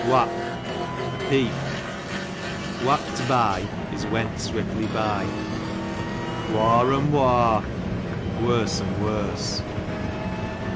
Wap, a peep ; wap't by, is . went swiftly by. War and war, worse and ivorse.